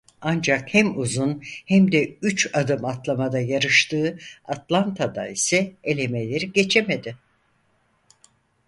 Ancak hem uzun hem de üç adım atlamada yarıştığı Atlanta'da ise elemeleri geçemedi.